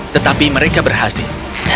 tetapi mereka berhasil